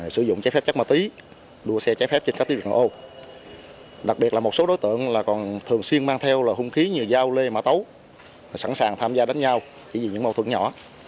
xuyên mang theo là hung khí như giao lê mã tấu sẵn sàng tham gia đánh nhau chỉ vì những mâu thuẫn nhỏ